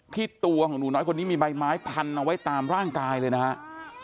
ที่ตัวของหนูน้อยคนนี้มีใบไม้พันเอาไว้ตามร่างกายเลยนะครับ